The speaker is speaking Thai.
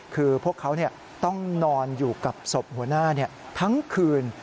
คือพวกเขาต้องนอนอยู่กับศพหัวหน้าทั้งคืน